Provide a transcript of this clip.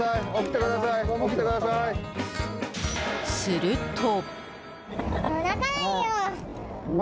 すると。